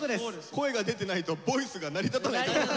声が出てないと「ＶＯＩＣＥ」が成り立たない。